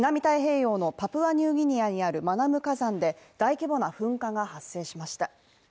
太平洋のパプアニューギニアにあるマナム火山で大規模な噴火が発生しました。